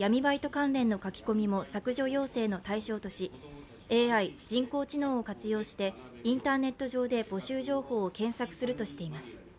関連の書き込みも削除要請の対象とし、ＡＩ＝人工知能を活用してインターネット上で募集情報を検索するとしています。